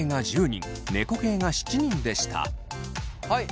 はい。